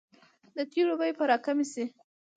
د تیلو بیې به راکمې شي؟